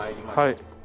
はい。